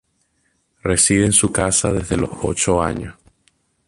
Reside en su casa desde los ocho años.